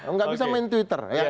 nggak bisa main twitter